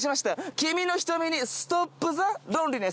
君の瞳にストップザロンリネス！！